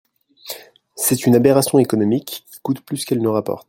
C’est une aberration économique, qui coûte plus qu’elle ne rapporte.